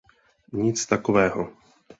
Nic takového.